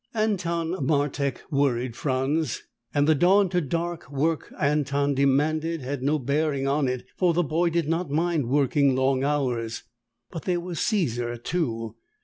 Anton Martek worried Franz, and the dawn to dark work Anton demanded had no bearing on it, for the boy did not mind working long hours. But there was Caesar, too.